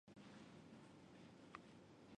微睾短腺吸虫为双腔科短腺属的动物。